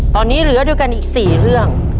ตอนนี้เหลือด้วยกันอีก๔เรื่อง